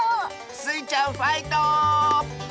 スイちゃんファイト！